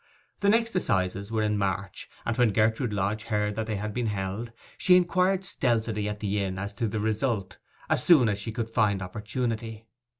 The next assizes were in March; and when Gertrude Lodge heard that they had been held, she inquired stealthily at the inn as to the result, as soon as she could find opportunity.